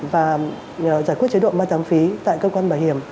và giải quyết chế độ ma giám phí tại cơ quan bảo hiểm